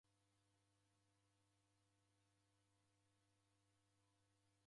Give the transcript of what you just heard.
Mlungu oghora diseke laka